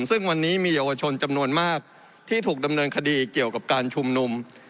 ซึ่งวันนี้มีเยาวชนจำนวนมากที่ถูกดำเนินคดีเกี่ยวกับการชุมนุม